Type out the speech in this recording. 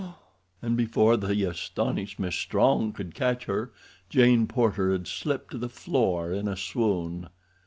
And before the astonished Miss Strong could catch her Jane Porter had slipped to the floor in a swoon.